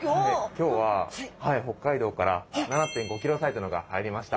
今日は北海道から７．５ｋｇサイズのが入りました。